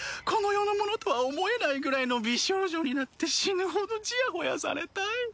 この世のものとは思えないくらいの美少女になって死ぬほどちやほやされたい。